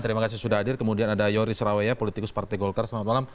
terima kasih sudah hadir kemudian ada yoris raweya politikus partai golkar selamat malam